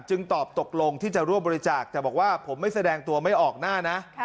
ตอบตกลงที่จะร่วมบริจาคแต่บอกว่าผมไม่แสดงตัวไม่ออกหน้านะ